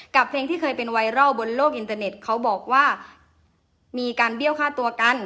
เพลงที่เคยเป็นไวรัลบนโลกอินเตอร์เน็ตเขาบอกว่ามีการเบี้ยวฆ่าตัวกัน